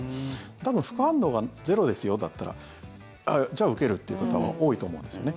多分副反応がゼロですよだったらじゃあ受けるという方は多いと思うんですよね。